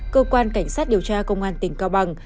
cơ quan cảnh sát điều tra công an tỉnh cao bằng